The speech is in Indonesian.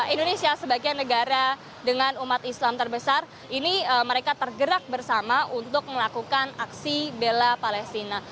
indonesia sebagai negara dengan umat islam terbesar ini mereka tergerak bersama untuk melakukan aksi bela palestina